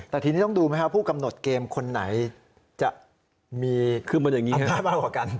แต่ทีนี้ต้องดูไหมครับผู้กำหนดเกมคนไหนจะมีคือมันอย่างนี้มากกว่ากัน